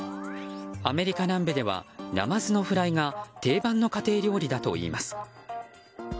アメリカ南部ではナマズのフライが定番の家庭料理だといいます。